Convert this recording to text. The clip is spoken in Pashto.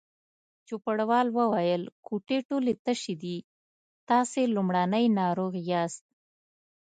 چوپړوال وویل: کوټې ټولې تشې دي، تاسې لومړنی ناروغ یاست.